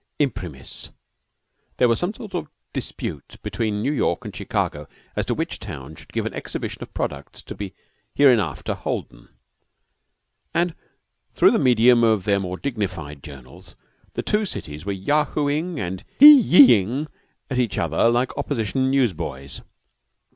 Imprimis, there was some sort of a dispute between New York and Chicago as to which town should give an exhibition of products to be hereafter holden, and through the medium of their more dignified journals the two cities were yahooing and hi yi ing at each other like opposition newsboys.